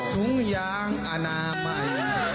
ถุงยางอนามัย